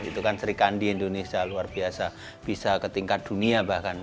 itu kan serikandi indonesia luar biasa bisa ke tingkat dunia bahkan